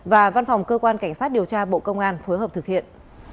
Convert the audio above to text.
và văn phòng cơ quan cảnh sát điều tra bộ công an phối hợp thực hiện